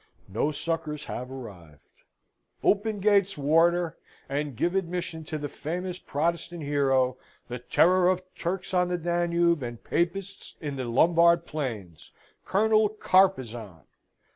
No succours have arrived. Open gates, warder! and give admission to the famous Protestant hero, the terror of Turks on the Danube, and Papists in the Lombard plains Colonel Carpezan!